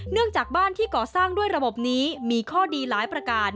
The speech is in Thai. จากบ้านที่ก่อสร้างด้วยระบบนี้มีข้อดีหลายประการ